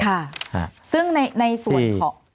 ค่ะซึ่งในส่วนของ